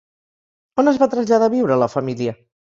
On es va traslladar a viure la família?